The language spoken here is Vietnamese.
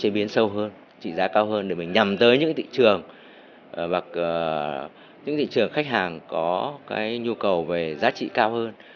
chế biến sâu hơn trị giá cao hơn để mình nhằm tới những cái thị trường hoặc những thị trường khách hàng có cái nhu cầu về giá trị cao hơn